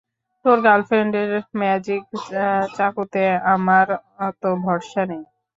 তোর গার্লফ্রেন্ডের ম্যাজিক চাকুতে আমার অত ভরসা নেই!